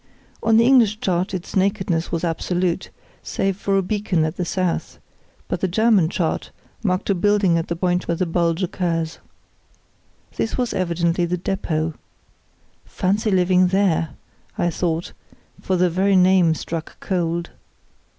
On the English chart its nakedness was absolute, save for a beacon at the south; but the German chart marked a building at the point where the bulge occurs. This was evidently the depôt. "Fancy living there!" I thought, for the very name struck cold.